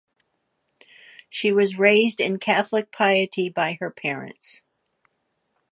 She was raised in Catholic piety by her parents.